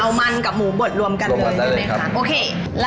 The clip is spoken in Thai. เอามันกับหมูบดรวมกันเลยใช่ไหมคะโอเครวมกันได้เลยครับ